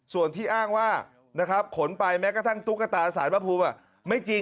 ส่วนที่อ้างว่าขนไปแม้กระทั่งตุ๊กกระตาสายพระภูมิ